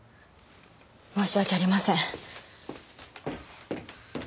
申し訳ありません。